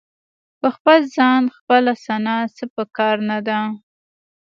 په خپل ځان خپله ثنا څه په کار نه ده.